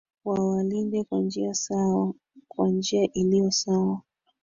wawalinde kwa njia sawa kwa njia iliyo sawa